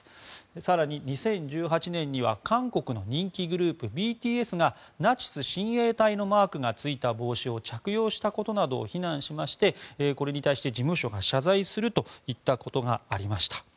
更に２０１８年には韓国の人気グループＢＴＳがナチス親衛隊のマークがついた帽子を着用したことなどを非難しましてこれに対して事務所が謝罪するといったことがありました。